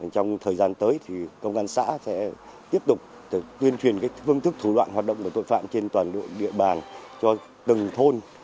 trong thời gian tới thì công an xã sẽ tiếp tục tuyên truyền phương thức thủ đoạn hoạt động của tội phạm trên toàn bộ địa bàn cho từng thôn